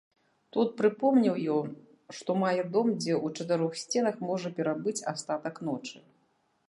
Тут прыпомніў ён, што мае дом, дзе ў чатырох сценах можа перабыць астатак ночы.